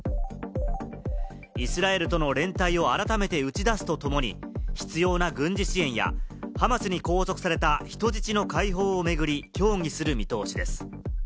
イスラエルとの連帯を改めて打ち出すとともに、必要な軍事支援やハマスに拘束された人質の解放を巡り、協議する見通しです。